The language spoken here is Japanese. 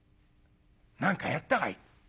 「何かやったかい？」。